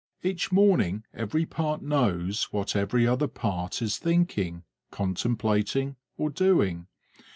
Each morning every part knows what every other part is thinking, contemplating, or doing.